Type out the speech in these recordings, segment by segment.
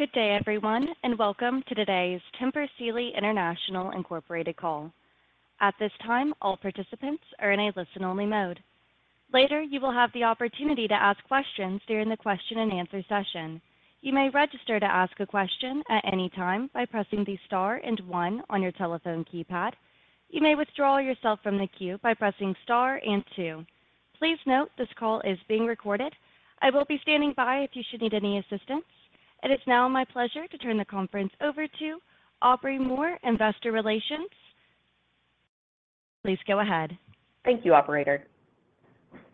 Good day, everyone, and welcome to today's Tempur Sealy International Incorporated call. At this time, all participants are in a listen-only mode. Later, you will have the opportunity to ask questions during the question-and-answer session. You may register to ask a question at any time by pressing the star and one on your telephone keypad. You may withdraw yourself from the queue by pressing star and two. Please note, this call is being recorded. I will be standing by if you should need any assistance. It is now my pleasure to turn the conference over to Aubrey Moore, Investor Relations. Please go ahead. Thank you, operator.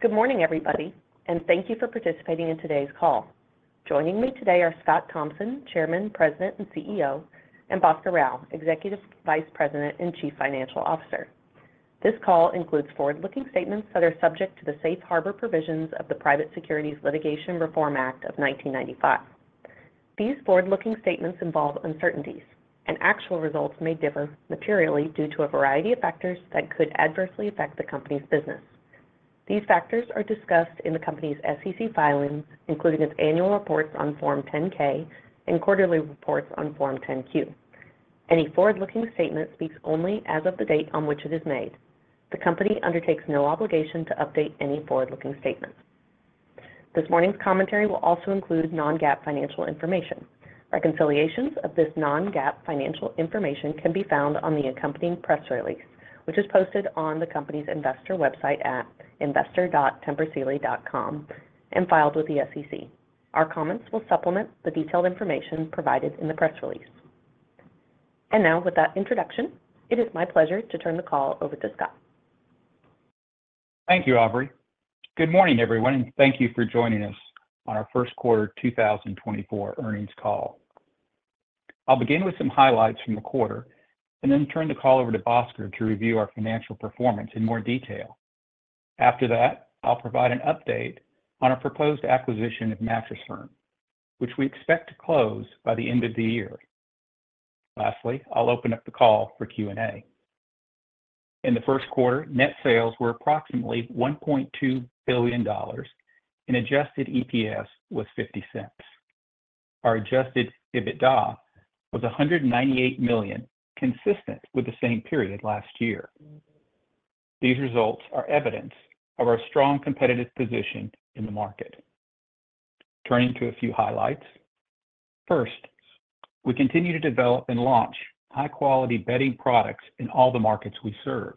Good morning, everybody, and thank you for participating in today's call. Joining me today are Scott Thompson, Chairman, President, and CEO, and Bhaskar Rao, Executive Vice President and Chief Financial Officer. This call includes forward-looking statements that are subject to the safe harbor provisions of the Private Securities Litigation Reform Act of 1995. These forward-looking statements involve uncertainties, and actual results may differ materially due to a variety of factors that could adversely affect the company's business. These factors are discussed in the company's SEC filings, including its annual reports on Form 10-K and quarterly reports on Form 10-Q. Any forward-looking statement speaks only as of the date on which it is made. The company undertakes no obligation to update any forward-looking statements. This morning's commentary will also include non-GAAP financial information. Reconciliations of this non-GAAP financial information can be found on the accompanying press release, which is posted on the company's investor website at investor.tempursealy.com and filed with the SEC. Our comments will supplement the detailed information provided in the press release. Now, with that introduction, it is my pleasure to turn the call over to Scott. Thank you, Aubrey. Good morning, everyone, and thank you for joining us on our first quarter 2024 earnings call. I'll begin with some highlights from the quarter and then turn the call over to Bhaskar to review our financial performance in more detail. After that, I'll provide an update on our proposed acquisition of Mattress Firm, which we expect to close by the end of the year. Lastly, I'll open up the call for Q&A. In the first quarter, net sales were approximately $1.2 billion, and adjusted EPS was $0.50. Our adjusted EBITDA was $198 million, consistent with the same period last year. These results are evidence of our strong competitive position in the market. Turning to a few highlights. First, we continue to develop and launch high-quality bedding products in all the markets we serve.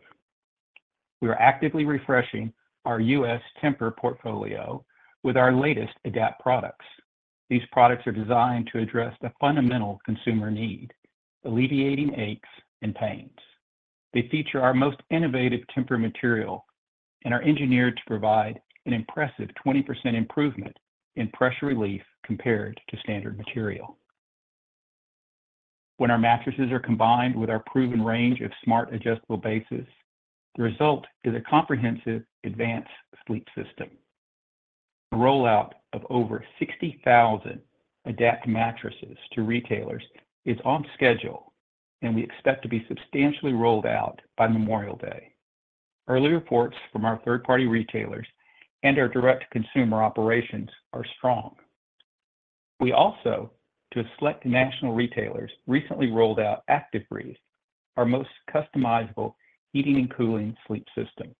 We are actively refreshing our US TEMPUR portfolio with our latest Adapt products. These products are designed to address the fundamental consumer need, alleviating aches and pains. They feature our most innovative TEMPUR material and are engineered to provide an impressive 20% improvement in pressure relief compared to standard material. When our mattresses are combined with our proven range of smart adjustable bases, the result is a comprehensive advanced sleep system. The rollout of over 60,000 Adapt mattresses to retailers is on schedule, and we expect to be substantially rolled out by Memorial Day. Early reports from our third-party retailers and our direct-to-consumer operations are strong. We also, to select national retailers, recently rolled out ActiveBreeze, our most customizable heating and cooling sleep system,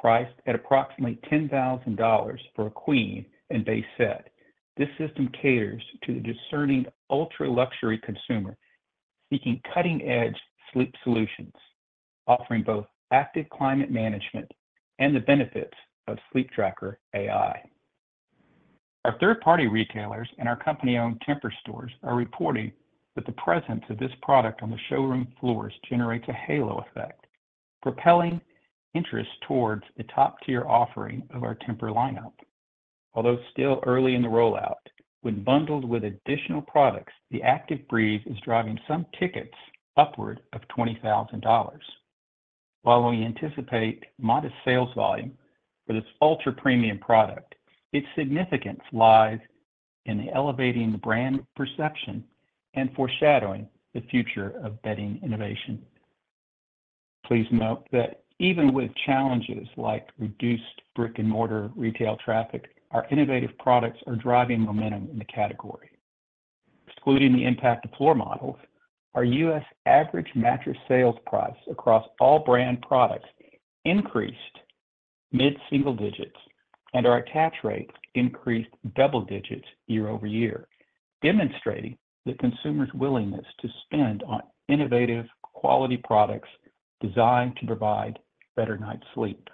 priced at approximately $10,000 for a queen and base set. This system caters to the discerning ultra-luxury consumer seeking cutting-edge sleep solutions, offering both active climate management and the benefits of Sleeptracker-AI. Our third-party retailers and our company-owned Tempur stores are reporting that the presence of this product on the showroom floors generates a halo effect, propelling interest towards the top-tier offering of our Tempur lineup. Although still early in the rollout, when bundled with additional products, the ActiveBreeze is driving some tickets upward of $20,000. While we anticipate modest sales volume for this ultra-premium product, its significance lies in elevating the brand perception and foreshadowing the future of bedding innovation. Please note that even with challenges like reduced brick-and-mortar retail traffic, our innovative products are driving momentum in the category. Excluding the impact of floor models, our U.S. average mattress sales price across all brand products increased mid-single digits, and our attach rate increased double digits year-over-year, demonstrating the consumer's willingness to spend on innovative, quality products designed to provide better night's sleep.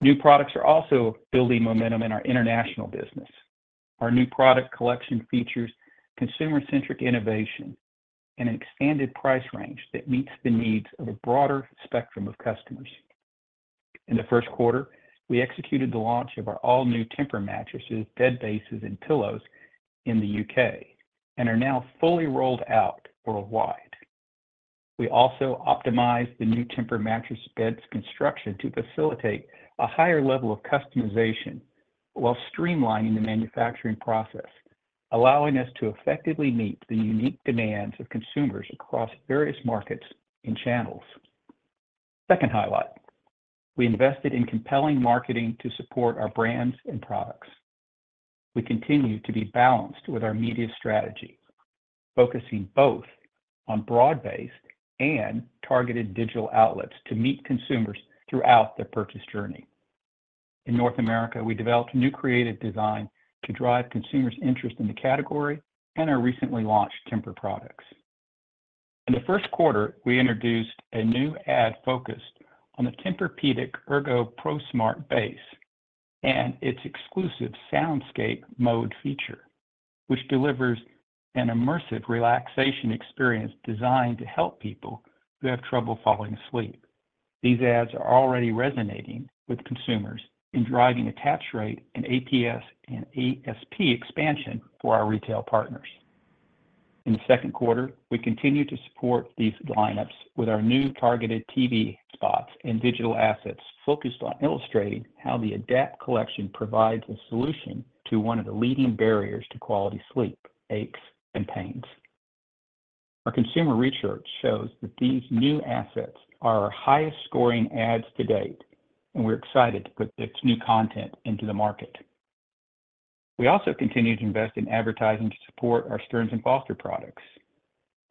New products are also building momentum in our international business. Our new product collection features consumer-centric innovation and an expanded price range that meets the needs of a broader spectrum of customers. In the first quarter, we executed the launch of our all-new Tempur mattresses, bed bases, and pillows in the U.K. and are now fully rolled out worldwide. We also optimized the new Tempur mattress beds construction to facilitate a higher level of customization while streamlining the manufacturing process, allowing us to effectively meet the unique demands of consumers across various markets and channels.... Second highlight, we invested in compelling marketing to support our brands and products. We continue to be balanced with our media strategy, focusing both on broad-based and targeted digital outlets to meet consumers throughout their purchase journey. In North America, we developed a new creative design to drive consumers' interest in the category and our recently launched Tempur products. In the first quarter, we introduced a new ad focused on the TEMPUR-Ergo ProSmart Base and its exclusive SoundScape mode feature, which delivers an immersive relaxation experience designed to help people who have trouble falling asleep. These ads are already resonating with consumers in driving attach rate and APS and ASP expansion for our retail partners. In the second quarter, we continued to support these lineups with our new targeted TV spots and digital assets, focused on illustrating how the Adapt collection provides a solution to one of the leading barriers to quality sleep: aches and pains. Our consumer research shows that these new assets are our highest-scoring ads to date, and we're excited to put this new content into the market. We also continued to invest in advertising to support our Stearns & Foster products,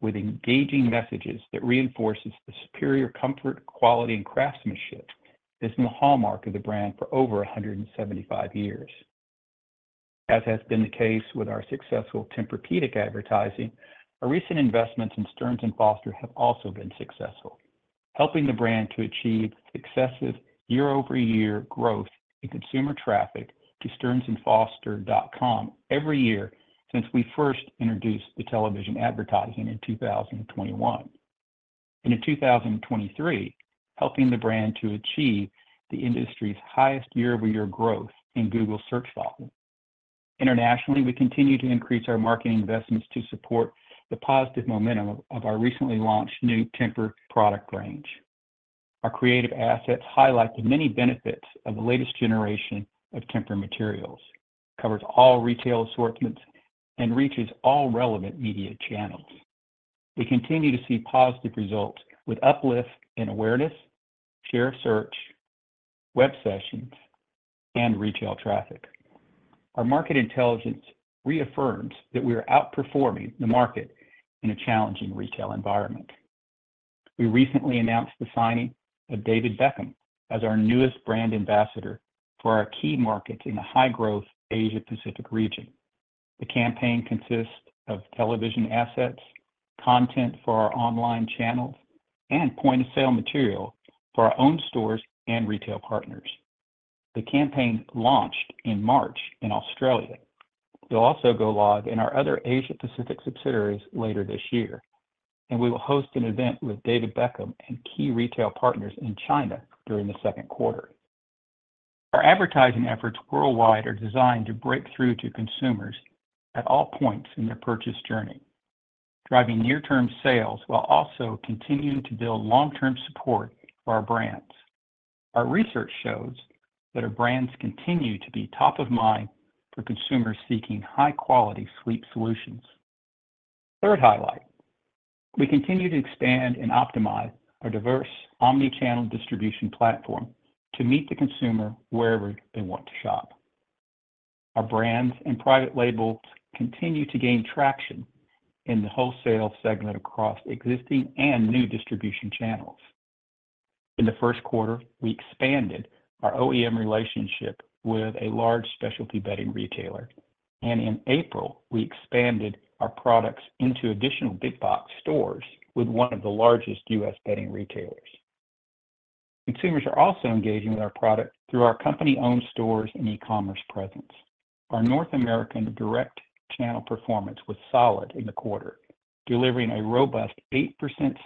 with engaging messages that reinforces the superior comfort, quality, and craftsmanship that's been the hallmark of the brand for over 175 years. As has been the case with our successful Tempur-Pedic advertising, our recent investments in Stearns & Foster have also been successful, helping the brand to achieve successive year-over-year growth in consumer traffic to stearnsandfoster.com every year since we first introduced the television advertising in 2021. In 2023, helping the brand to achieve the industry's highest year-over-year growth in Google search volume. Internationally, we continue to increase our marketing investments to support the positive momentum of our recently launched new Tempur product range. Our creative assets highlight the many benefits of the latest generation of Tempur materials, covers all retail assortments, and reaches all relevant media channels. We continue to see positive results with uplift in awareness, share of search, web sessions, and retail traffic. Our market intelligence reaffirms that we are outperforming the market in a challenging retail environment. We recently announced the signing of David Beckham as our newest brand ambassador for our key markets in the high-growth Asia Pacific region. The campaign consists of television assets, content for our online channels, and point-of-sale material for our own stores and retail partners. The campaign launched in March in Australia. It'll also go live in our other Asia Pacific subsidiaries later this year, and we will host an event with David Beckham and key retail partners in China during the second quarter. Our advertising efforts worldwide are designed to break through to consumers at all points in their purchase journey, driving near-term sales while also continuing to build long-term support for our brands. Our research shows that our brands continue to be top of mind for consumers seeking high-quality sleep solutions. Third highlight, we continue to expand and optimize our diverse omni-channel distribution platform to meet the consumer wherever they want to shop. Our brands and private labels continue to gain traction in the wholesale segment across existing and new distribution channels. In the first quarter, we expanded our OEM relationship with a large specialty bedding retailer, and in April, we expanded our products into additional big box stores with one of the largest U.S. bedding retailers. Consumers are also engaging with our product through our company-owned stores and e-commerce presence. Our North American direct channel performance was solid in the quarter, delivering a robust 8%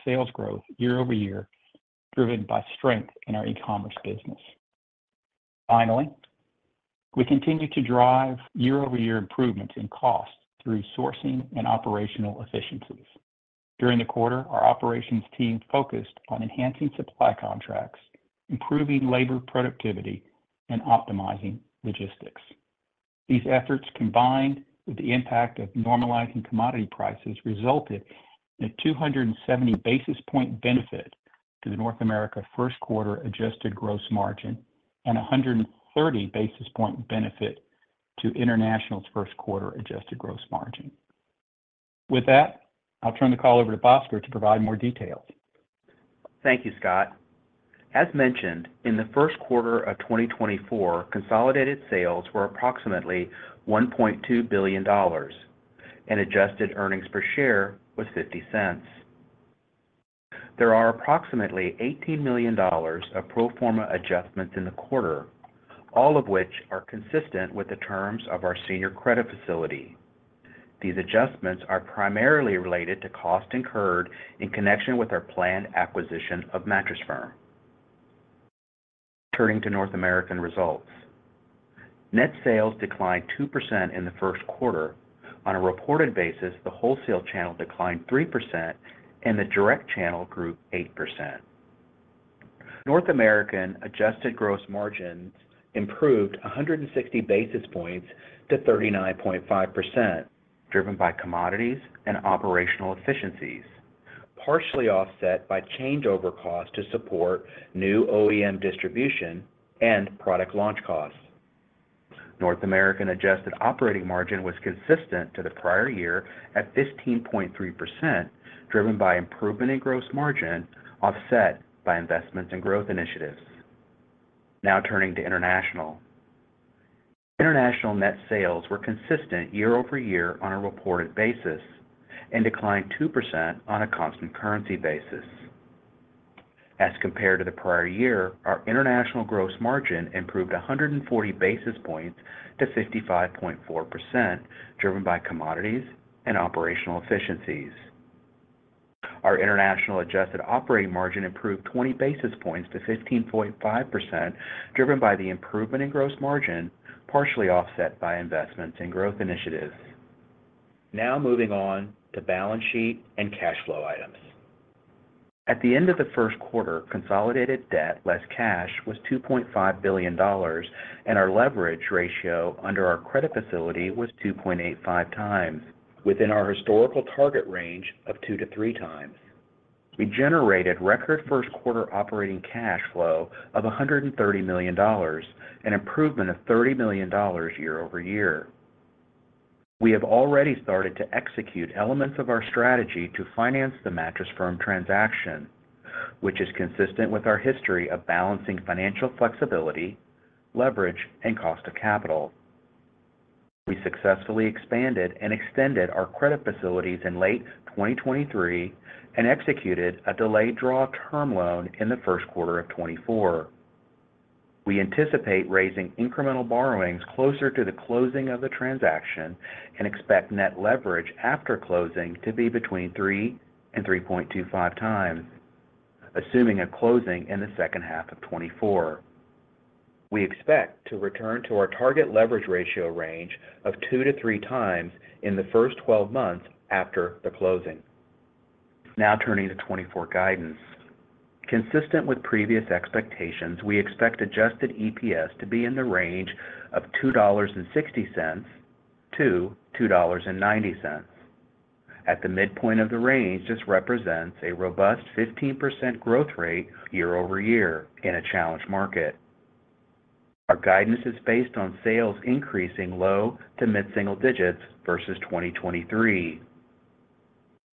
sales growth year-over-year, driven by strength in our e-commerce business. Finally, we continued to drive year-over-year improvements in cost through sourcing and operational efficiencies. During the quarter, our operations team focused on enhancing supply contracts, improving labor productivity, and optimizing logistics. These efforts, combined with the impact of normalizing commodity prices, resulted in a 270 basis point benefit to the North America first quarter adjusted gross margin and a 130 basis point benefit to International's first quarter adjusted gross margin. With that, I'll turn the call over to Bhaskar to provide more details. Thank you, Scott. As mentioned, in the first quarter of 2024, consolidated sales were approximately $1.2 billion, and adjusted earnings per share was $0.50. There are approximately $18 million of pro forma adjustments in the quarter, all of which are consistent with the terms of our senior credit facility. These adjustments are primarily related to costs incurred in connection with our planned acquisition of Mattress Firm. Turning to North American results. Net sales declined 2% in the first quarter. On a reported basis, the wholesale channel declined 3% and the direct channel grew 8%. North American adjusted gross margins improved 160 basis points to 39.5% driven by commodities and operational efficiencies, partially offset by changeover costs to support new OEM distribution and product launch costs. North American adjusted operating margin was consistent to the prior year at 15.3%, driven by improvement in gross margin, offset by investments in growth initiatives. Now turning to international. International net sales were consistent year over year on a reported basis, and declined 2% on a constant currency basis. As compared to the prior year, our international gross margin improved 140 basis points to 55.4%, driven by commodities and operational efficiencies. Our international adjusted operating margin improved 20 basis points to 15.5%, driven by the improvement in gross margin, partially offset by investments in growth initiatives. Now moving on to balance sheet and cash flow items. At the end of the first quarter, consolidated debt, less cash, was $2.5 billion, and our leverage ratio under our credit facility was 2.85x, within our historical target range of 2-3x. We generated record first quarter operating cash flow of $130 million, an improvement of $30 million year over year. We have already started to execute elements of our strategy to finance the Mattress Firm transaction, which is consistent with our history of balancing financial flexibility, leverage, and cost of capital. We successfully expanded and extended our credit facilities in late 2023, and executed a delayed draw term loan in the first quarter of 2024. We anticipate raising incremental borrowings closer to the closing of the transaction and expect net leverage after closing to be between 3 and 3.25x, assuming a closing in the second half of 2024. We expect to return to our target leverage ratio range of 2-3x in the first 12 months after the closing. Now turning to 2024 guidance. Consistent with previous expectations, we expect adjusted EPS to be in the range of $2.60-$2.90. At the midpoint of the range, this represents a robust 15% growth rate year-over-year in a challenged market. Our guidance is based on sales increasing low to mid-single digits versus 2023.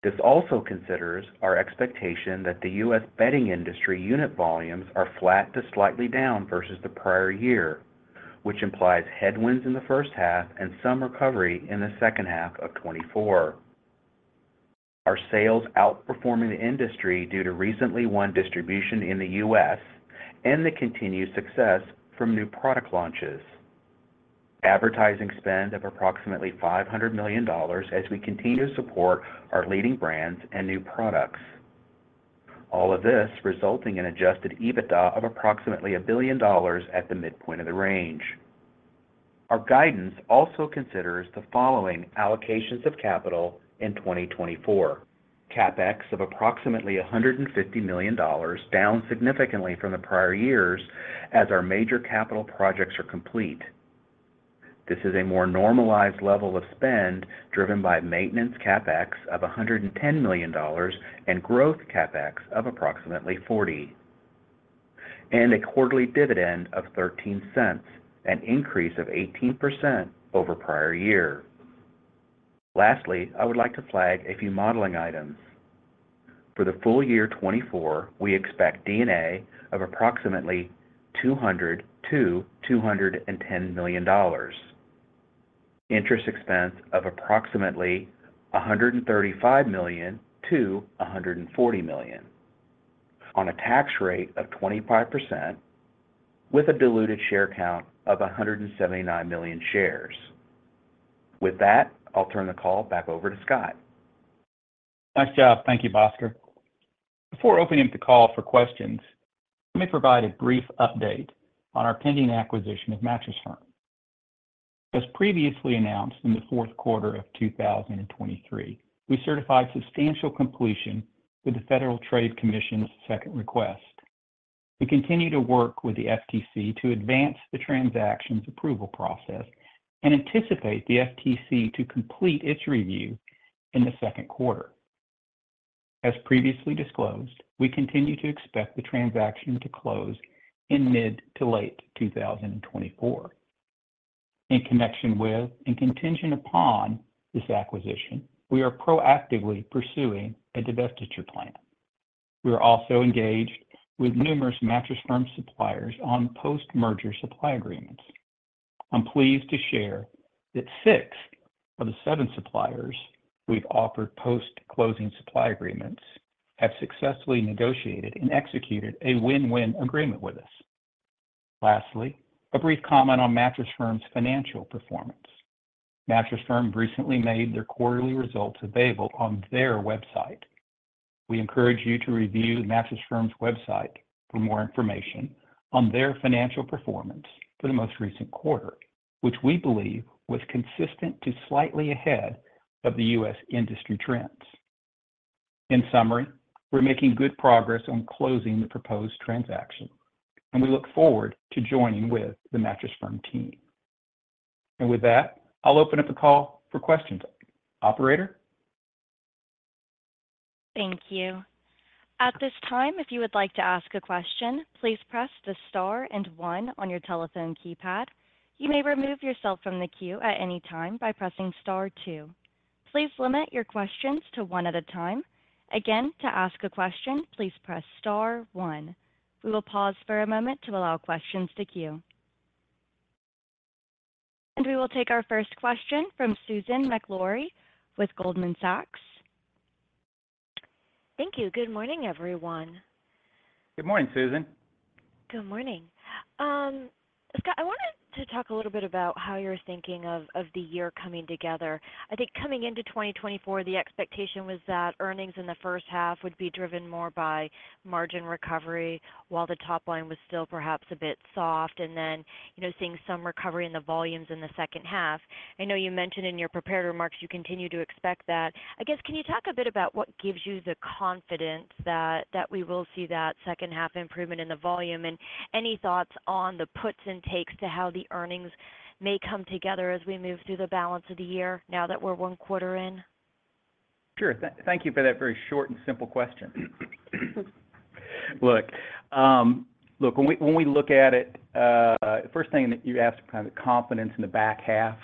This also considers our expectation that the U.S. bedding industry unit volumes are flat to slightly down versus the prior year, which implies headwinds in the first half and some recovery in the second half of 2024. Our sales outperforming the industry due to recently won distribution in the U.S. and the continued success from new product launches. Advertising spend of approximately $500 million as we continue to support our leading brands and new products. All of this resulting in adjusted EBITDA of approximately $1 billion at the midpoint of the range. Our guidance also considers the following allocations of capital in 2024. CapEx of approximately $150 million, down significantly from the prior years as our major capital projects are complete. This is a more normalized level of spend, driven by maintenance CapEx of $110 million and growth CapEx of approximately $40 million, and a quarterly dividend of $0.13, an increase of 18% over prior year. Lastly, I would like to flag a few modeling items. For the full year 2024, we expect D&A of approximately $200 million-$210 million, interest expense of approximately $135 million-$140 million, on a tax rate of 25%, with a diluted share count of 179 million shares. With that, I'll turn the call back over to Scott. Nice job. Thank you, Bhaskar. Before opening up the call for questions, let me provide a brief update on our pending acquisition of Mattress Firm. As previously announced in the fourth quarter of 2023, we certified substantial completion with the Federal Trade Commission's second request. We continue to work with the FTC to advance the transaction's approval process and anticipate the FTC to complete its review in the second quarter. As previously disclosed, we continue to expect the transaction to close in mid- to late 2024. In connection with, and contingent upon, this acquisition, we are proactively pursuing a divestiture plan. We are also engaged with numerous Mattress Firm suppliers on post-merger supply agreements. I'm pleased to share that six of the seven suppliers we've offered post-closing supply agreements have successfully negotiated and executed a win-win agreement with us. Lastly, a brief comment on Mattress Firm's financial performance. Mattress Firm recently made their quarterly results available on their website. We encourage you to review Mattress Firm's website for more information on their financial performance for the most recent quarter, which we believe was consistent to slightly ahead of the U.S. industry trends.... In summary, we're making good progress on closing the proposed transaction, and we look forward to joining with the Mattress Firm team. And with that, I'll open up the call for questions. Operator? Thank you. At this time, if you would like to ask a question, please press the star and one on your telephone keypad. You may remove yourself from the queue at any time by pressing star two. Please limit your questions to one at a time. Again, to ask a question, please press star one. We will pause for a moment to allow questions to queue. We will take our first question from Susan Maklari with Goldman Sachs. Thank you. Good morning, everyone. Good morning, Susan. Good morning. Scott, I wanted to talk a little bit about how you're thinking of, of the year coming together. I think coming into 2024, the expectation was that earnings in the first half would be driven more by margin recovery, while the top line was still perhaps a bit soft, and then, you know, seeing some recovery in the volumes in the second half. I know you mentioned in your prepared remarks, you continue to expect that. I guess, can you talk a bit about what gives you the confidence that, that we will see that second half improvement in the volume, and any thoughts on the puts and takes to how the earnings may come together as we move through the balance of the year now that we're one quarter in? Sure. Thank you for that very short and simple question. Look, look, when we, when we look at it, first thing that you asked, kind of, confidence in the back half,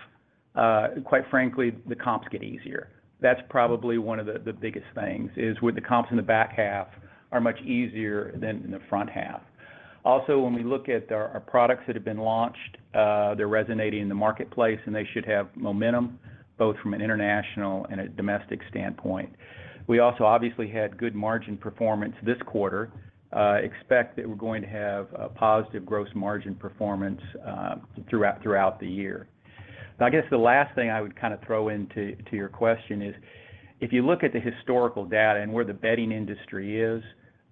quite frankly, the comps get easier. That's probably one of the, the biggest things, is with the comps in the back half are much easier than in the front half. Also, when we look at our, our products that have been launched, they're resonating in the marketplace, and they should have momentum, both from an international and a domestic standpoint. We also obviously had good margin performance this quarter, expect that we're going to have a positive gross margin performance, throughout, throughout the year. Now, I guess the last thing I would kind of throw into to your question is, if you look at the historical data and where the bedding industry is,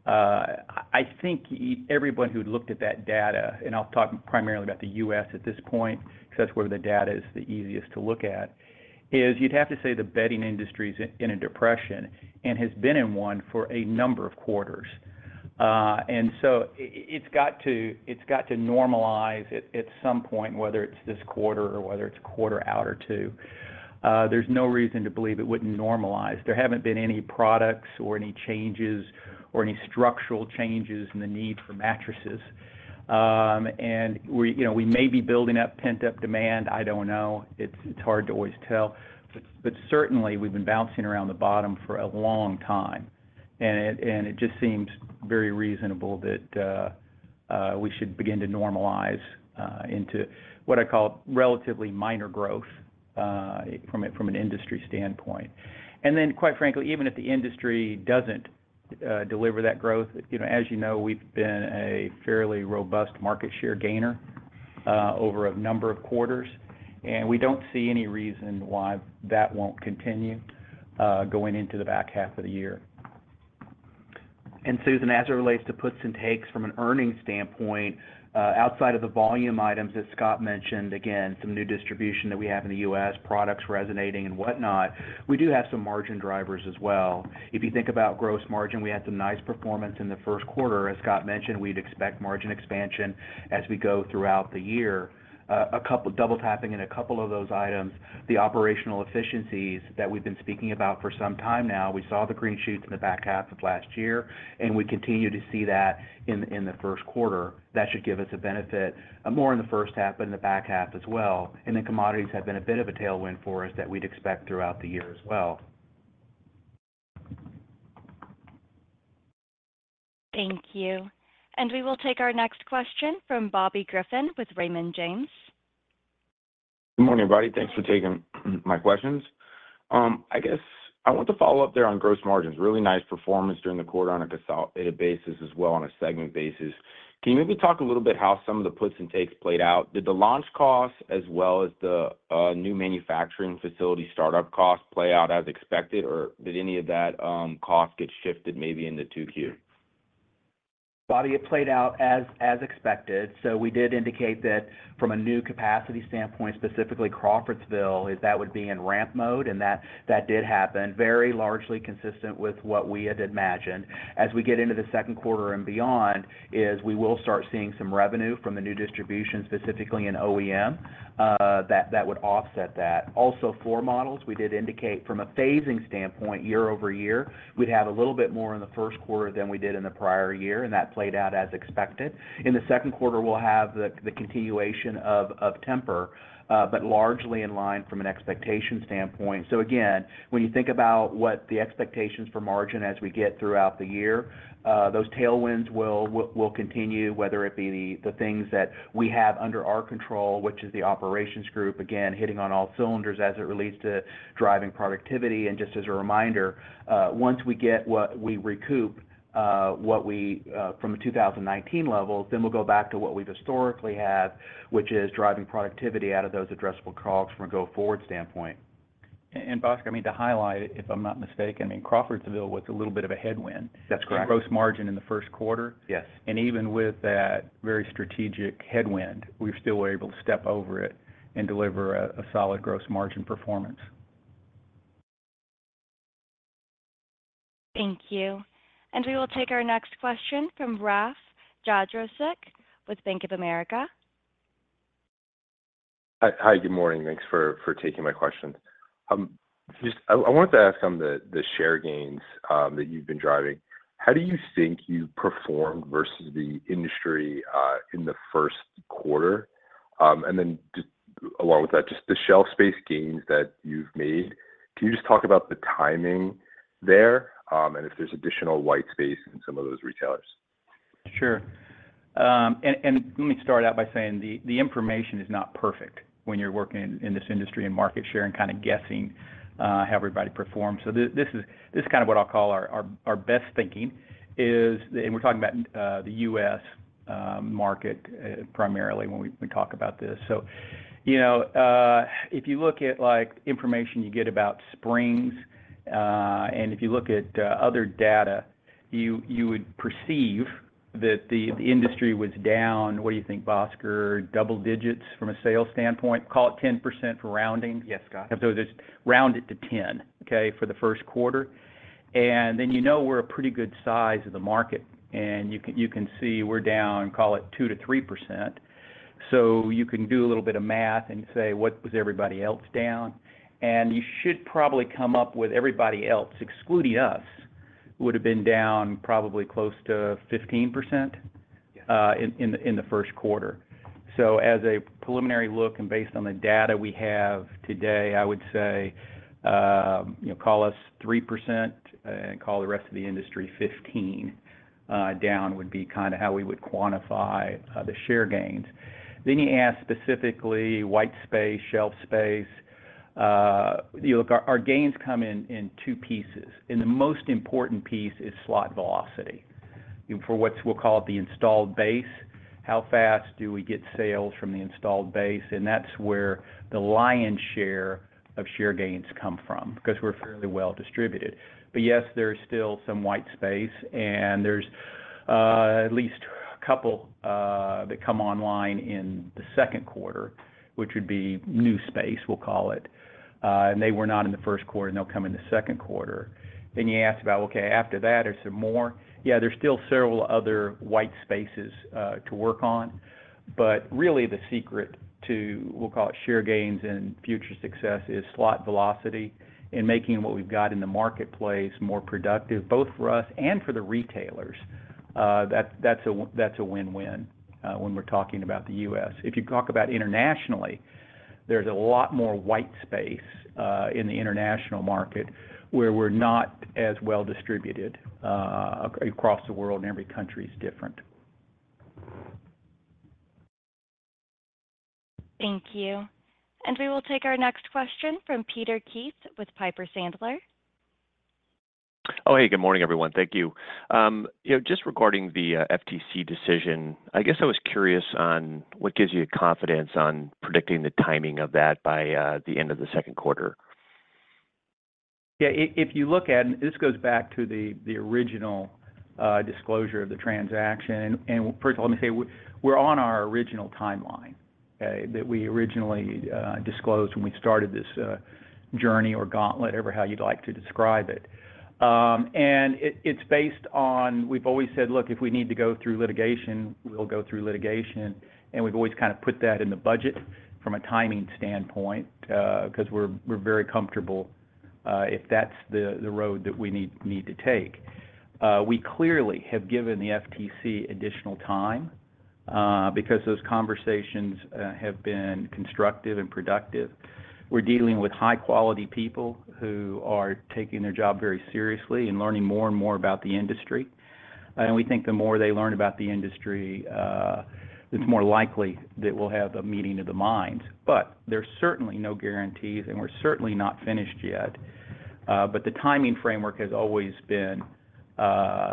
I think everyone who looked at that data, and I'll talk primarily about the U.S. at this point, because that's where the data is the easiest to look at, is you'd have to say the bedding industry is in a depression and has been in one for a number of quarters. And so it's got to normalize at some point, whether it's this quarter or whether it's a quarter out or two. There's no reason to believe it wouldn't normalize. There haven't been any products or any changes or any structural changes in the need for mattresses. And we, you know, we may be building up pent-up demand, I don't know. It's, it's hard to always tell, but, but certainly, we've been bouncing around the bottom for a long time, and it, and it just seems very reasonable that we should begin to normalize into what I call relatively minor growth from a, from an industry standpoint. And then, quite frankly, even if the industry doesn't deliver that growth, you know, as you know, we've been a fairly robust market share gainer over a number of quarters, and we don't see any reason why that won't continue going into the back half of the year. And Susan, as it relates to puts and takes from an earnings standpoint, outside of the volume items that Scott mentioned, again, some new distribution that we have in the U.S. products resonating and whatnot, we do have some margin drivers as well. If you think about gross margin, we had some nice performance in the first quarter. As Scott mentioned, we'd expect margin expansion as we go throughout the year. A couple—double-tapping in a couple of those items, the operational efficiencies that we've been speaking about for some time now, we saw the green shoots in the back half of last year, and we continue to see that in the first quarter. That should give us a benefit, more in the first half, but in the back half as well. And then commodities have been a bit of a tailwind for us that we'd expect throughout the year as well. Thank you. We will take our next question from Bobby Griffin with Raymond James. Good morning, everybody. Thanks for taking my questions. I guess I want to follow up there on gross margins. Really nice performance during the quarter on a consolidated basis, as well on a segment basis. Can you maybe talk a little bit how some of the puts and takes played out? Did the launch costs, as well as the, new manufacturing facility startup costs, play out as expected, or did any of that, cost get shifted maybe into 2Q? Bobby, it played out as expected. So we did indicate that from a new capacity standpoint, specifically Crawfordsville, that would be in ramp mode, and that did happen very largely consistent with what we had imagined. As we get into the second quarter and beyond, we will start seeing some revenue from the new distribution, specifically in OEM, that would offset that. Also, floor models, we did indicate from a phasing standpoint, year-over-year, we'd have a little bit more in the first quarter than we did in the prior year, and that played out as expected. In the second quarter, we'll have the continuation of Tempur, but largely in line from an expectation standpoint. So again, when you think about what the expectations for margin as we get throughout the year, those tailwinds will continue, whether it be the things that we have under our control, which is the operations group, again, hitting on all cylinders as it relates to driving productivity. And just as a reminder, once we get what we recoup what we from a 2019 level, then we'll go back to what we've historically had, which is driving productivity out of those addressable costs from a go-forward standpoint. Bhaskar, I mean, to highlight, if I'm not mistaken, in Crawfordsville, was a little bit of a headwind. That's correct. Gross margin in the first quarter? Yes. Even with that very strategic headwind, we've still were able to step over it and deliver a solid gross margin performance.... Thank you. We will take our next question from Rafe Jadrosich with Bank of America. Hi. Hi, good morning. Thanks for taking my questions. Just, I wanted to ask on the share gains that you've been driving, how do you think you performed versus the industry in the first quarter? And then just along with that, just the shelf space gains that you've made, can you just talk about the timing there, and if there's additional white space in some of those retailers? Sure. And let me start out by saying the information is not perfect when you're working in this industry, and market share and kinda guessing how everybody performs. So this is kinda what I'll call our best thinking, is. And we're talking about the U.S. market primarily when we talk about this. So, you know, if you look at, like, information you get about Springs, and if you look at other data, you would perceive that the industry was down. What do you think, Bhaskar? Double digits from a sales standpoint? Call it 10% for rounding. Yes, Scott. So just round it to 10, okay, for the first quarter. And then, you know, we're a pretty good size of the market, and you can, you can see we're down, call it 2%-3%. So you can do a little bit of math and say: What was everybody else down? And you should probably come up with everybody else, excluding us, would have been down probably close to 15%- Yeah... in the first quarter. So as a preliminary look and based on the data we have today, I would say, you know, call us 3%, and call the rest of the industry 15 down, would be kinda how we would quantify the share gains. Then you ask specifically, white space, shelf space. You look, our gains come in two pieces, and the most important piece is slot velocity. For what we'll call the installed base, how fast do we get sales from the installed base? And that's where the lion's share of share gains come from, 'cause we're fairly well-distributed. But yes, there is still some white space, and there's at least a couple that come online in the second quarter, which would be new space, we'll call it. They were not in the first quarter, and they'll come in the second quarter. Then you ask about, okay, after that, is there more? Yeah, there's still several other white spaces to work on, but really the secret to, we'll call it, share gains and future success, is slot velocity and making what we've got in the marketplace more productive, both for us and for the retailers. That's, that's a win-win when we're talking about the U.S. If you talk about internationally, there's a lot more white space in the international market, where we're not as well-distributed across the world, and every country is different. Thank you. We will take our next question from Peter Keith with Piper Sandler. Oh, hey, good morning, everyone. Thank you. You know, just regarding the FTC decision, I guess I was curious on what gives you confidence on predicting the timing of that by the end of the second quarter. Yeah, if you look at... And this goes back to the original disclosure of the transaction. And, first of all, let me say, we're on our original timeline that we originally disclosed when we started this journey or gauntlet, however how you'd like to describe it. And it, it's based on... We've always said: Look, if we need to go through litigation, we'll go through litigation. And we've always kinda put that in the budget from a timing standpoint, 'cause we're very comfortable if that's the road that we need to take. We clearly have given the FTC additional time because those conversations have been constructive and productive. We're dealing with high-quality people who are taking their job very seriously and learning more and more about the industry. And we think the more they learn about the industry, it's more likely that we'll have a meeting of the minds. But there's certainly no guarantees, and we're certainly not finished yet. But the timing framework has always been,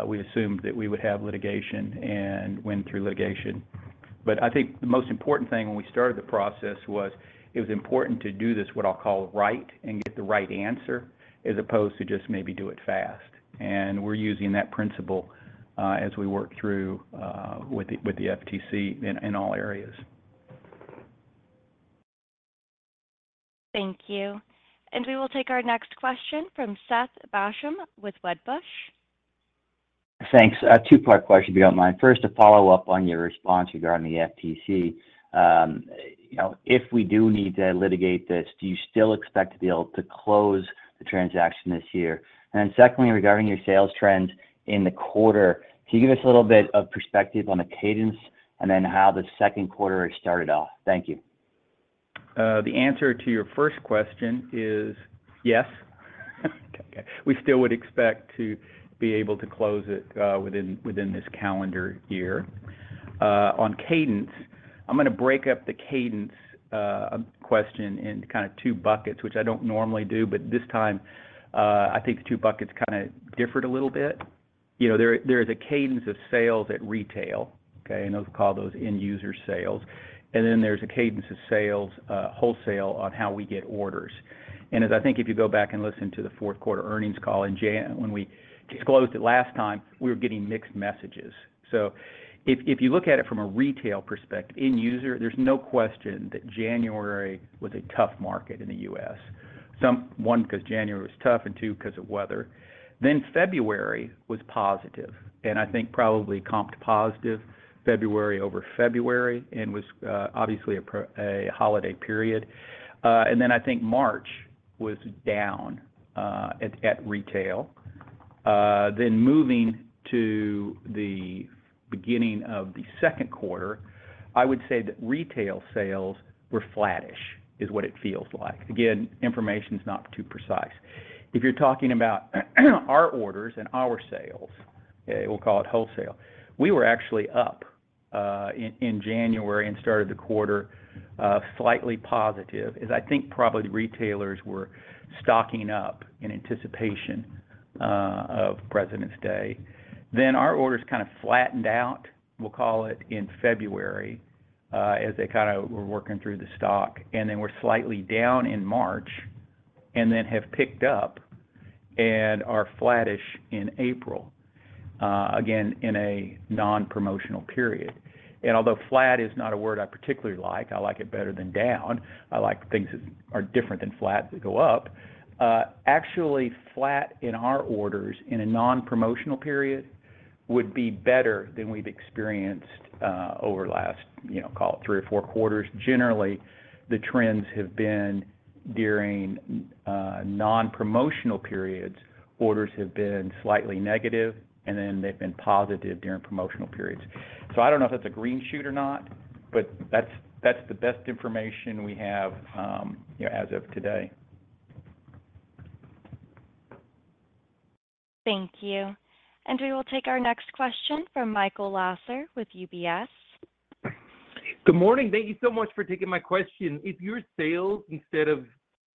we assumed that we would have litigation and went through litigation. But I think the most important thing when we started the process was, it was important to do this, what I'll call, right, and get the right answer, as opposed to just maybe do it fast. And we're using that principle, as we work through, with the FTC in all areas. Thank you. We will take our next question from Seth Basham with Wedbush. Thanks. A two-part question, if you don't mind. First, to follow up on your response regarding the FTC. You know, if we do need to litigate this, do you still expect to be able to close the transaction this year? And then secondly, regarding your sales trends in the quarter, can you give us a little bit of perspective on the cadence and then how the second quarter has started off? Thank you. The answer to your first question is yes. We still would expect to be able to close it, within, within this calendar year. On cadence, I'm gonna break up the cadence question in kinda two buckets, which I don't normally do, but this time, I think the two buckets kinda differed a little bit. You know, there is a cadence of sales at retail, okay? And I'll call those end-user sales. And then there's a cadence of sales, wholesale, on how we get orders. And as I think if you go back and listen to the fourth-quarter earnings call in Jan... When we disclosed it last time, we were getting mixed messages. So if you look at it from a retail perspective, end user, there's no question that January was a tough market in the U.S. Number one, because January was tough, and two, because of weather. Then February was positive, and I think probably comped positive February over February, and was obviously a holiday period. And then I think March was down at retail. Then moving to the beginning of the second quarter, I would say that retail sales were flattish, is what it feels like. Again, information's not too precise. If you're talking about our orders and our sales, okay, we'll call it wholesale, we were actually up in January and started the quarter slightly positive, as I think probably the retailers were stocking up in anticipation of Presidents' Day. Then, our orders kind of flattened out, we'll call it, in February, as they kinda were working through the stock. And then, were slightly down in March, and then have picked up and are flattish in April, again, in a non-promotional period. And although flat is not a word I particularly like, I like it better than down. I like things that are different than flat to go up. Actually, flat in our orders in a non-promotional period would be better than we've experienced, over the last, you know, call it three or four quarters. Generally, the trends have been during non-promotional periods, orders have been slightly negative, and then they've been positive during promotional periods. So I don't know if that's a green shoot or not, but that's, that's the best information we have, you know, as of today. Thank you. We will take our next question from Michael Lasser with UBS. Good morning. Thank you so much for taking my question. If your sales, instead of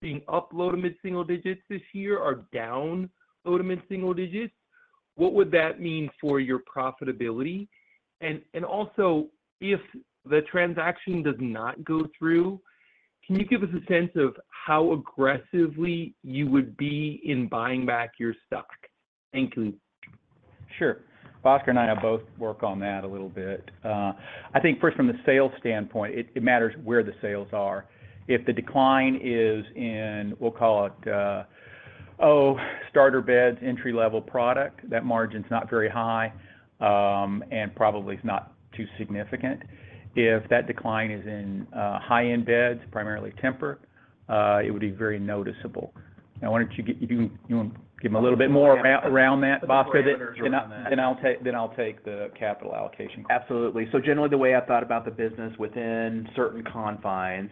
being up low to mid-single digits this year, are down low to mid-single digits, what would that mean for your profitability? And also, if the transaction does not go through, can you give us a sense of how aggressively you would be in buying back your stock? Thank you. Sure. Bhaskar and I have both worked on that a little bit. I think first from the sales standpoint, it matters where the sales are. If the decline is in, we'll call it starter beds, entry-level product, that margin's not very high, and probably is not too significant. If that decline is in high-end beds, primarily Tempur, it would be very noticeable. Now, why don't you get... Do you want to give a little bit more around that, Bhaskar? Then I'll take the capital allocation. Absolutely. So generally, the way I thought about the business within certain confines,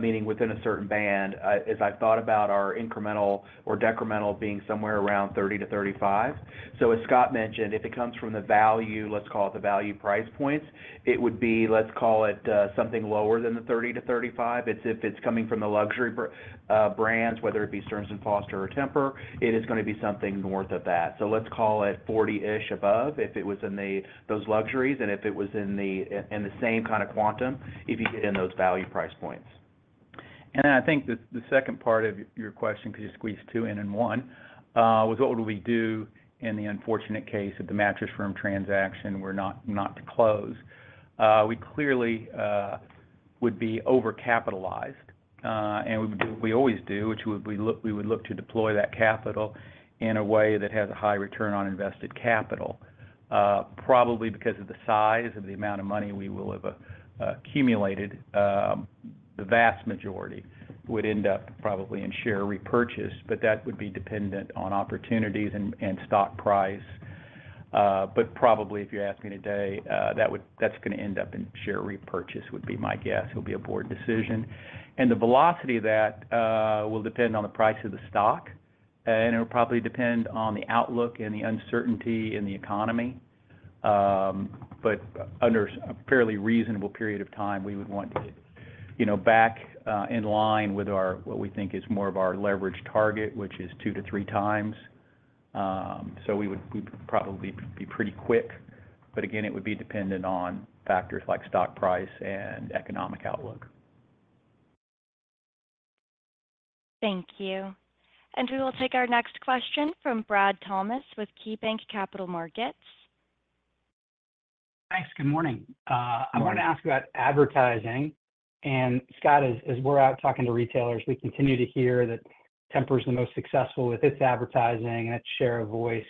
meaning within a certain band, is I've thought about our incremental or decremental being somewhere around 30-35. So as Scott mentioned, if it comes from the value, let's call it the value price points, it would be, let's call it, something lower than the 30-35. It's if it's coming from the luxury brands, whether it be Stearns & Foster or Tempur, it is gonna be something north of that. So let's call it 40-ish above, if it was in those luxuries, and if it was in the same kind of quantum, if you get in those value price points. And then I think the second part of your question, because you squeezed two in one, was what would we do in the unfortunate case if the Mattress Firm transaction were not to close? We clearly would be overcapitalized, and we would do what we always do, which we would look to deploy that capital in a way that has a high return on invested capital. Probably because of the size and the amount of money we will have accumulated, the vast majority would end up probably in share repurchase, but that would be dependent on opportunities and stock price. But probably, if you ask me today, that's gonna end up in share repurchase, would be my guess. It'll be a board decision. The velocity of that will depend on the price of the stock, and it'll probably depend on the outlook and the uncertainty in the economy. Under a fairly reasonable period of time, we would want to, you know, back in line with our what we think is more of our leverage target, which is 2-3x. We'd probably be pretty quick, but again, it would be dependent on factors like stock price and economic outlook. Thank you. We will take our next question from Brad Thomas with KeyBanc Capital Markets. Thanks. Good morning. Good morning. I wanted to ask about advertising. And Scott, as we're out talking to retailers, we continue to hear that Tempur is the most successful with its advertising and its share of voice.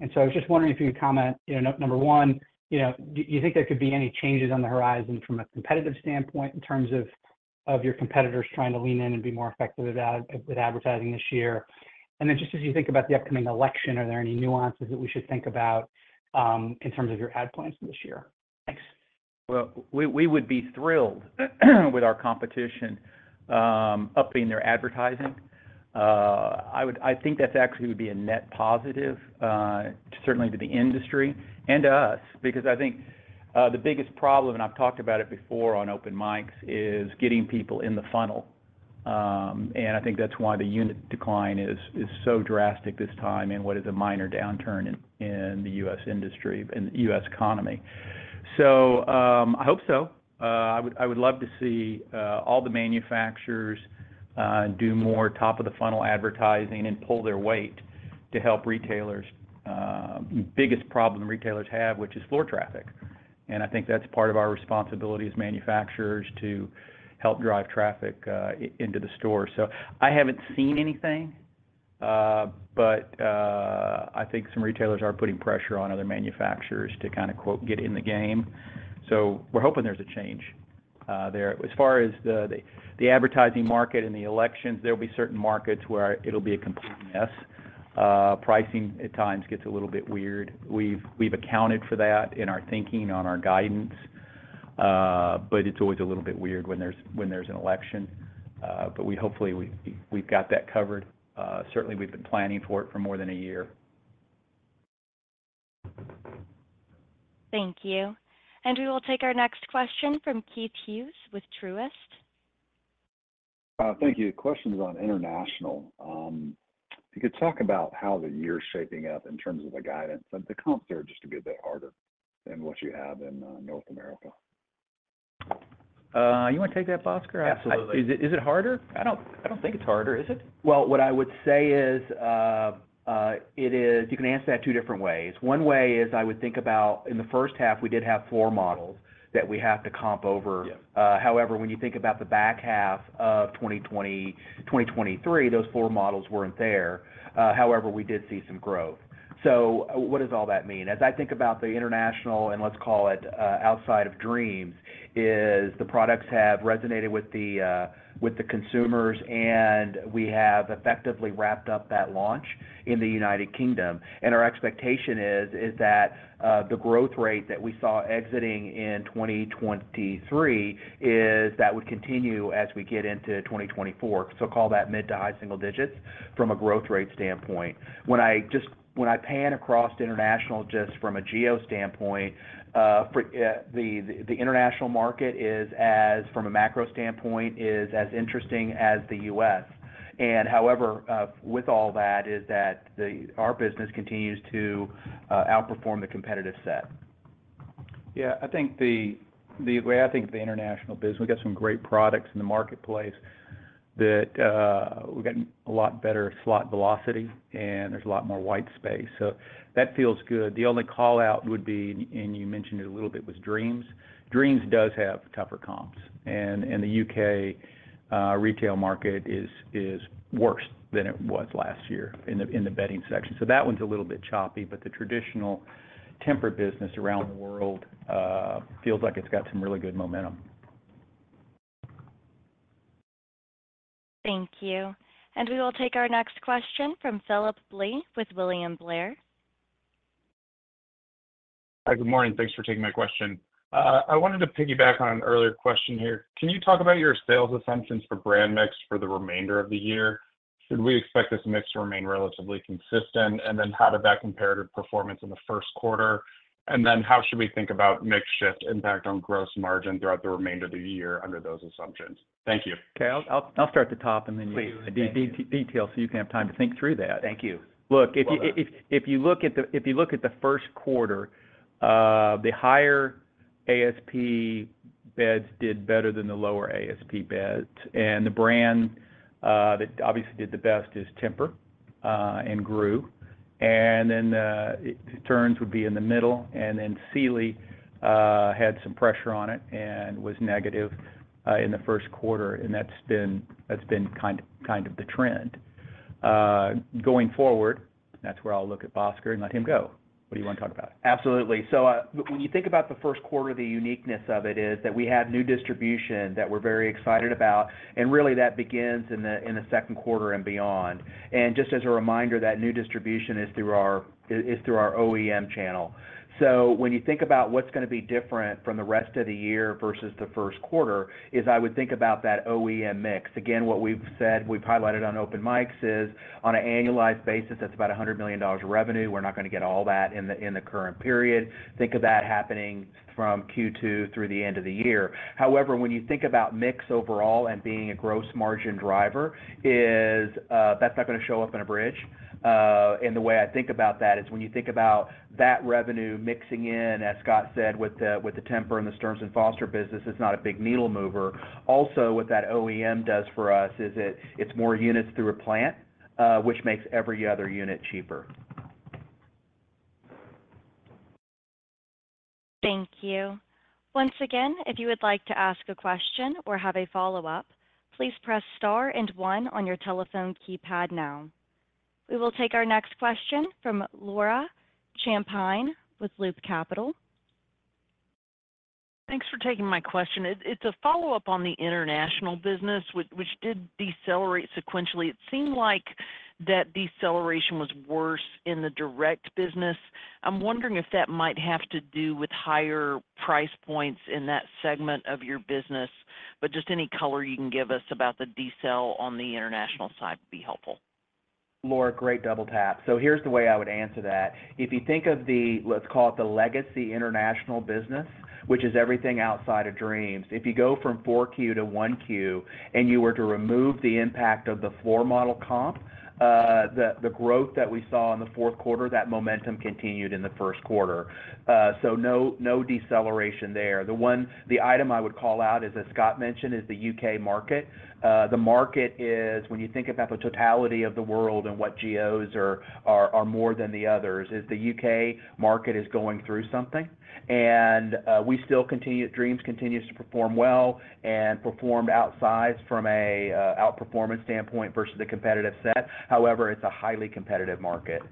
And so I was just wondering if you could comment, you know, number one, you know, do you think there could be any changes on the horizon from a competitive standpoint, in terms of your competitors trying to lean in and be more effective with advertising this year? And then, just as you think about the upcoming election, are there any nuances that we should think about in terms of your ad plans for this year? Thanks. Well, we would be thrilled with our competition upping their advertising. I think that actually would be a net positive, certainly to the industry and to us. Because I think the biggest problem, and I've talked about it before on open mics, is getting people in the funnel. And I think that's why the unit decline is so drastic this time, in what is a minor downturn in the U.S. industry and the U.S. economy. So, I hope so. I would love to see all the manufacturers do more top-of-the-funnel advertising and pull their weight to help retailers, retailers' biggest problem, which is floor traffic. And I think that's part of our responsibility as manufacturers, to help drive traffic into the store. So I haven't seen anything, but I think some retailers are putting pressure on other manufacturers to kind of quote, "Get in the game." So we're hoping there's a change there. As far as the advertising market and the elections, there will be certain markets where it'll be a complete mess. Pricing, at times, gets a little bit weird. We've accounted for that in our thinking on our guidance, but it's always a little bit weird when there's an election. But hopefully, we've got that covered. Certainly, we've been planning for it for more than a year. Thank you. We will take our next question from Keith Hughes with Truist. Thank you. Question's on international. If you could talk about how the year's shaping up in terms of the guidance, and the comps there just to be a bit harder than what you have in North America? You want to take that, Bhaskar? Absolutely. Is it harder? I don't think it's harder, is it? Well, what I would say is, it is. You can answer that two different ways. One way is, I would think about in the first half, we did have four models that we have to comp over. Yes. However, when you think about the back half of 2020, 2023, those four models weren't there. However, we did see some growth. So what does all that mean? As I think about the international, and let's call it, outside of Dreams, the products have resonated with the with the consumers, and we have effectively wrapped up that launch in the United Kingdom. And our expectation is, is that, the growth rate that we saw exiting in 2023, is that would continue as we get into 2024. So call that mid to high single digits from a growth rate standpoint. When I pan across international, just from a geo standpoint, for, the international market is as, from a macro standpoint, is as interesting as the U.S. However, with all that, our business continues to outperform the competitive set. Yeah, I think the way I think of the international business, we've got some great products in the marketplace that, we've gotten a lot better slot velocity, and there's a lot more white space, so that feels good. The only call-out would be, and you mentioned it a little bit, was Dreams. Dreams does have tougher comps, and the U.K. retail market is worse than it was last year in the bedding section. So that one's a little bit choppy, but the traditional Tempur business around the world feels like it's got some really good momentum. Thank you. We will take our next question from Phillip Blee with William Blair. Hi, good morning. Thanks for taking my question. I wanted to piggyback on an earlier question here. Can you talk about your sales assumptions for brand mix for the remainder of the year? Should we expect this mix to remain relatively consistent, and then how did that comparative performance in the first quarter? And then how should we think about mix shift impact on gross margin throughout the remainder of the year under those assumptions? Thank you. Okay, I'll start at the top, and then- Please. detail, so you can have time to think through that. Thank you. Look- Well done... if you look at the first quarter, the higher ASP beds did better than the lower ASP beds. And the brand that obviously did the best is Tempur, and grew, and then Stearns would be in the middle, and then Sealy had some pressure on it and was negative in the first quarter, and that's been kind of the trend. Going forward, that's where I'll look at Bhaskar and let him go. What do you want to talk about? Absolutely. So when you think about the first quarter, the uniqueness of it is that we have new distribution that we're very excited about, and really that begins in the second quarter and beyond. And just as a reminder, that new distribution is through our OEM channel. So when you think about what's gonna be different from the rest of the year versus the first quarter, is I would think about that OEM mix. Again, what we've said, we've highlighted on open mics is, on an annualized basis, that's about $100 million of revenue. We're not gonna get all that in the current period. Think of that happening from Q2 through the end of the year. However, when you think about mix overall and being a gross margin driver, is that's not gonna show up in a bridge. And the way I think about that is, when you think about that revenue mixing in, as Scott said, with the, with the Tempur and the Stearns & Foster business, is not a big needle mover. Also, what that OEM does for us is it, it's more units through a plant, which makes every other unit cheaper. Thank you. Once again, if you would like to ask a question or have a follow-up, please press Star and One on your telephone keypad now. We will take our next question from Laura Champine with Loop Capital. Thanks for taking my question. It's a follow-up on the international business, which did decelerate sequentially. It seemed like that deceleration was worse in the direct business. I'm wondering if that might have to do with higher price points in that segment of your business, but just any color you can give us about the decel on the international side would be helpful. Laura, great double tap. So here's the way I would answer that. If you think of the, let's call it the legacy international business, which is everything outside of Dreams. If you go from 4Q to 1Q, and you were to remove the impact of the floor model comp, the growth that we saw in the fourth quarter, that momentum continued in the first quarter. So no, no deceleration there. The one, the item I would call out is, as Scott mentioned, is the U.K. market. The market is, when you think about the totality of the world and what geos are more than the others, is the U.K. market is going through something. We still continue, Dreams continues to perform well and performed outsized from a outperformance standpoint versus the competitive set. However, it's a highly competitive market....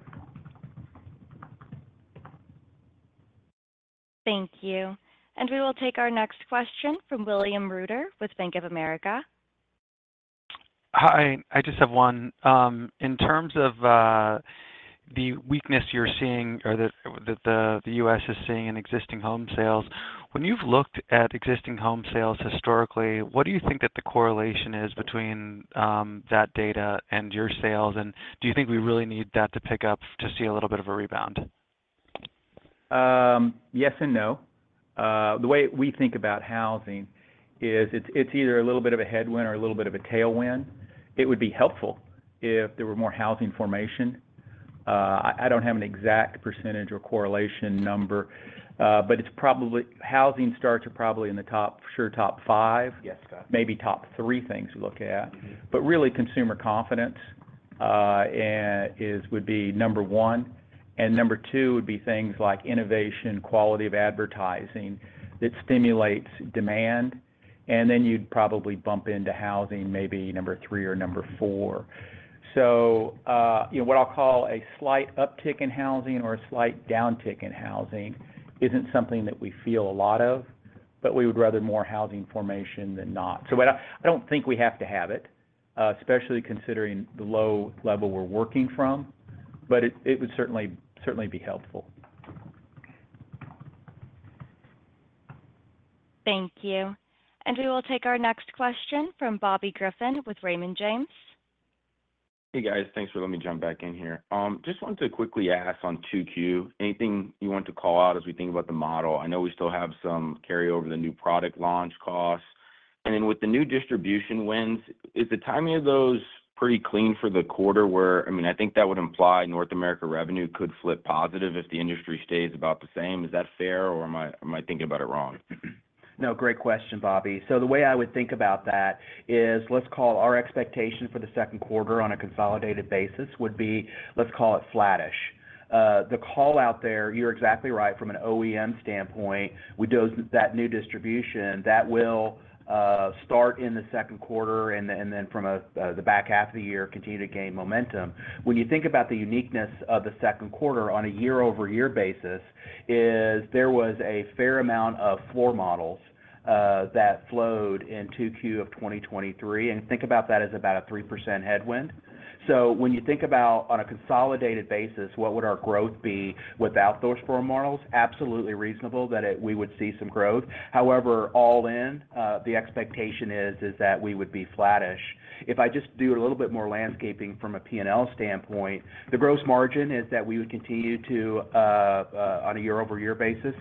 Thank you. We will take our next question from William Reuter with Bank of America. Hi, I just have one. In terms of the weakness you're seeing or that the U.S. is seeing in existing home sales, when you've looked at existing home sales historically, what do you think that the correlation is between that data and your sales? And do you think we really need that to pick up to see a little bit of a rebound? Yes and no. The way we think about housing is it's either a little bit of a headwind or a little bit of a tailwind. It would be helpful if there were more housing formation. I don't have an exact percentage or correlation number, but it's probably housing starts are probably in the top, sure top five- Yes, top. Maybe top three things we look at. Mm-hmm. But really, consumer confidence would be number one, and number two would be things like innovation, quality of advertising that stimulates demand. And then you'd probably bump into housing, maybe number three or number four. So, you know, what I'll call a slight uptick in housing or a slight downtick in housing isn't something that we feel a lot of, but we would rather more housing formation than not. So but I don't think we have to have it, especially considering the low level we're working from, but it would certainly, certainly be helpful. Thank you. We will take our next question from Bobby Griffin with Raymond James. Hey, guys. Thanks for letting me jump back in here. Just wanted to quickly ask on 2Q, anything you want to call out as we think about the model? I know we still have some carryover, the new product launch costs. And then with the new distribution wins, is the timing of those pretty clean for the quarter where... I mean, I think that would imply North America revenue could flip positive if the industry stays about the same. Is that fair, or am I, am I thinking about it wrong? No, great question, Bobby. So the way I would think about that is, let's call our expectation for the second quarter on a consolidated basis, would be, let's call it flattish. The call out there, you're exactly right. From an OEM standpoint, we dose that new distribution, that will start in the second quarter and then from the back half of the year, continue to gain momentum. When you think about the uniqueness of the second quarter on a year-over-year basis, is that there was a fair amount of floor models that flowed in 2Q of 2023, and think about that as about a 3% headwind. So when you think about on a consolidated basis, what would our growth be without those floor models, absolutely reasonable that it, we would see some growth. However, all in, the expectation is that we would be flattish. If I just do a little bit more landscaping from a P&L standpoint, the gross margin is that we would continue to, on a year-over-year basis,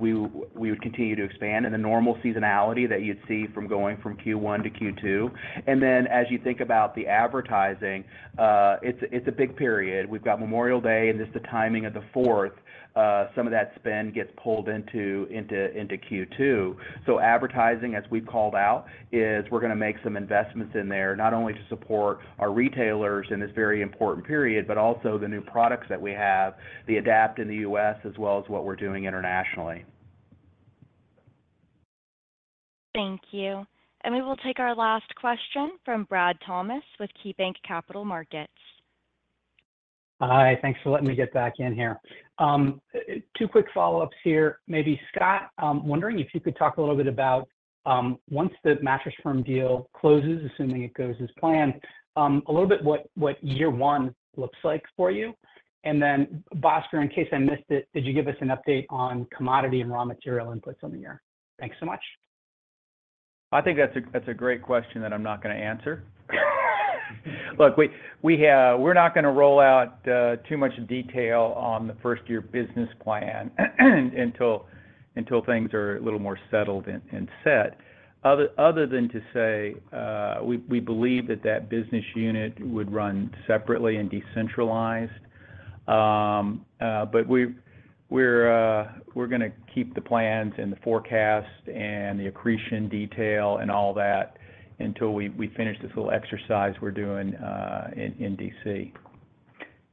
we would continue to expand in the normal seasonality that you'd see from going from Q1 to Q2. And then, as you think about the advertising, it's a big period. We've got Memorial Day, and just the timing of the Fourth, some of that spend gets pulled into Q2. So advertising, as we've called out, is we're gonna make some investments in there, not only to support our retailers in this very important period, but also the new products that we have, the Adapt in the U.S., as well as what we're doing internationally. Thank you. We will take our last question from Brad Thomas with KeyBanc Capital Markets. Hi, thanks for letting me get back in here. Two quick follow-ups here. Maybe, Scott, I'm wondering if you could talk a little bit about, once the Mattress Firm deal closes, assuming it goes as planned, a little bit what year one looks like for you? And then, Bhaskar, in case I missed it, did you give us an update on commodity and raw material inputs on the year? Thanks so much. I think that's a great question that I'm not gonna answer. Look, we're not gonna roll out too much detail on the first-year business plan, until things are a little more settled and set. Other than to say, we believe that that business unit would run separately and decentralized. But we're gonna keep the plans and the forecast and the accretion detail and all that until we finish this little exercise we're doing in D.C.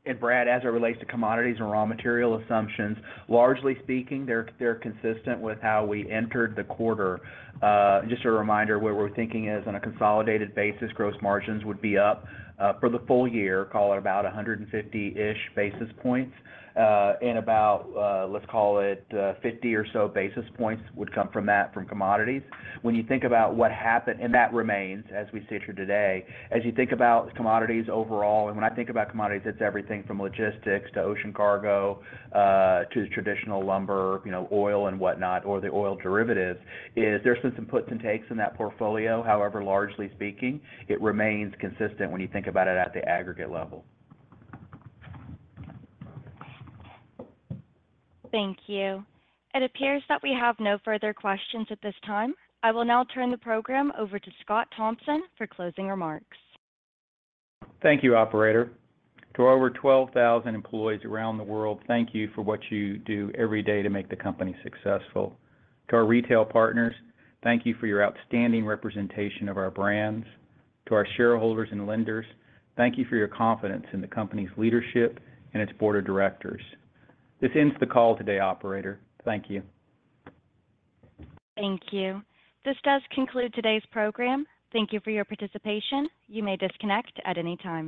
And Brad, as it relates to commodities and raw material assumptions, largely speaking, they're, they're consistent with how we entered the quarter. Just a reminder, what we're thinking is, on a consolidated basis, gross margins would be up for the full year, call it about 150-ish basis points, and about, let's call it, 50 or so basis points would come from that, from commodities. When you think about what happened... And that remains, as we sit here today. As you think about commodities overall, and when I think about commodities, it's everything from logistics to ocean cargo, to traditional lumber, you know, oil and whatnot, or the oil derivatives, is there's been some puts and takes in that portfolio. However, largely speaking, it remains consistent when you think about it at the aggregate level. Thank you. It appears that we have no further questions at this time. I will now turn the program over to Scott Thompson for closing remarks. Thank you, operator. To our over 12,000 employees around the world, thank you for what you do every day to make the company successful. To our retail partners, thank you for your outstanding representation of our brands. To our shareholders and lenders, thank you for your confidence in the company's leadership and its board of directors. This ends the call today, operator. Thank you. Thank you. This does conclude today's program. Thank you for your participation. You may disconnect at any time.